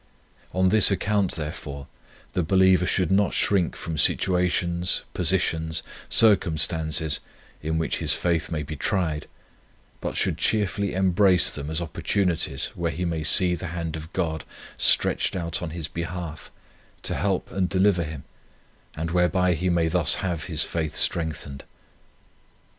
On this account, therefore, the believer should not shrink from situations, positions, circumstances, in which his faith may be tried; but should cheerfully embrace them as opportunities where he may see the hand of God stretched out on his behalf, to help and deliver him, and whereby he may thus have his faith strengthened.